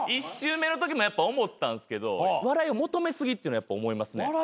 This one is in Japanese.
１週目のときもやっぱ思ったんすけど笑いを求め過ぎっていうのは思いますね。